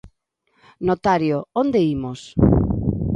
Notario, onde imos?